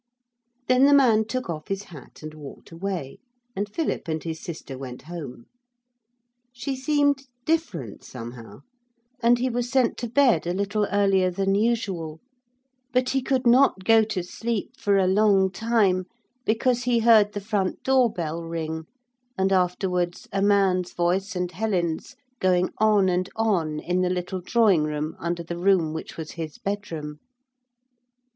Then the man took off his hat and walked away, and Philip and his sister went home. She seemed different, somehow, and he was sent to bed a little earlier than usual, but he could not go to sleep for a long time, because he heard the front door bell ring and afterwards a man's voice and Helen's going on and on in the little drawing room under the room which was his bedroom.